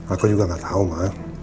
aku juga gak tau ma